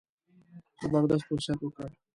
زبردست وصیت وکړ.